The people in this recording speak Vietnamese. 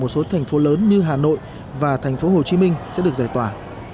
một số thành phố lớn như hà nội và thành phố hồ chí minh sẽ được giải tỏa